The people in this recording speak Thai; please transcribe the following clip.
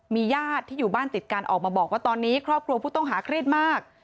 มีญาติที่อยู่บ้านติดกันออกมาบอกว่าตอนนี้ครอบครัวผู้ต้องหาเครียดมาก